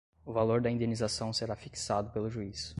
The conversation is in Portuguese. O valor da indenização será fixado pelo juiz